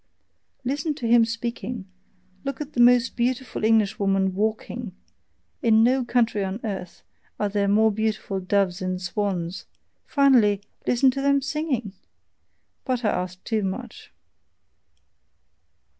Listen to him speaking; look at the most beautiful Englishwoman WALKING in no country on earth are there more beautiful doves and swans; finally, listen to them singing! But I ask too much...